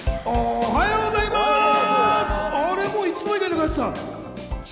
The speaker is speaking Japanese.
おはようございます！